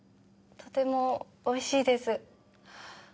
とてもおいしいです。